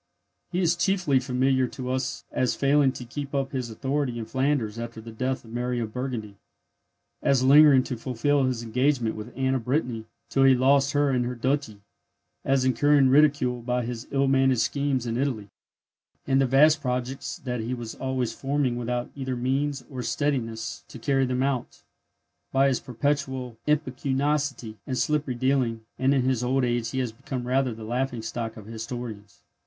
He is chiefly familiar to us as failing to keep up his authority in Flanders after the death of Mary of Burgundy, as lingering to fulfil his engagement with Anne of Brittany till he lost her and her duchy, as incurring ridicule by his ill managed schemes in Italy, and the vast projects that he was always forming without either means or steadiness to carry them out, by his perpetual impecuniosity and slippery dealing; and in his old age he has become rather the laughing stock of historians.